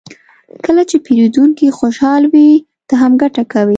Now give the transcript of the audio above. کله چې پیرودونکی خوشحال وي، ته هم ګټه کوې.